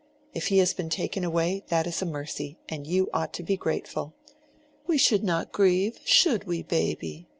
If he has been taken away, that is a mercy, and you ought to be grateful. We should not grieve, should we, baby?"